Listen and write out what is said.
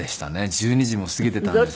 １２時もう過ぎていたんですけど。